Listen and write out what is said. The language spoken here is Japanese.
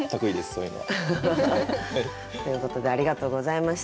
そういうのは。ということでありがとうございました。